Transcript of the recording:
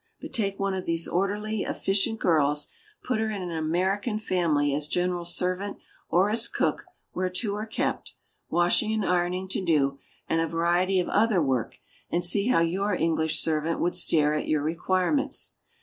But take one of these orderly, efficient girls, put her in an American family as general servant or as cook, where two are kept, washing and ironing to do, and a variety of other work, and see how your English servant would stare at your requirements.